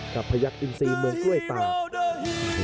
กับพระยักษณ์อินทรีย์เมืองกล้วยตาก